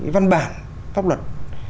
văn bản pháp luật